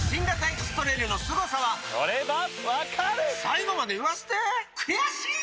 エクストレイルのすごさは最後まで言わせて悔しい！